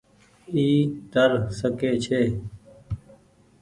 اي تر سڪي ڇي۔